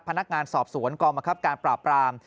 พนักงานสอบสวนกองบังคับการปราบราม